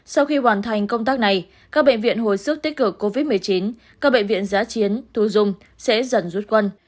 sau khi hoàn thành công tác này các bệnh viện hồi sức tích cực covid một mươi chín các bệnh viện giá chiến thu dung sẽ dần rút quân